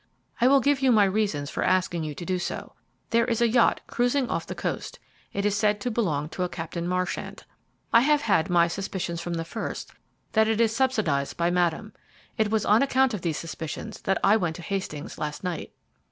"I will give you my reasons for asking you to do so. There is a yacht cruising off the coast. It is said to belong to a Captain Marchant. I have had my suspicions from the first that it is subsidized by Madame. It was on account of these suspicions that I went to Hastings last night."